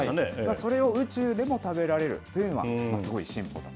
それを宇宙でも食べられるというのは、すごい進歩だと。